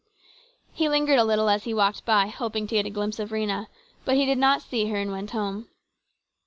He lingered a little as he walked by, hoping to get a glimpse of Rhena, but he did not see her and went on home.